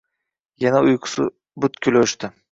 Yana uyqusi butkul o‘chdi.